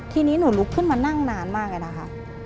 ทีนี้หนูลุกขึ้นมานั่งนานมากเลยนะคะ